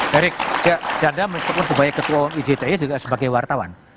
derik saya ada mencetak sebagai ketua ijt juga sebagai wartawan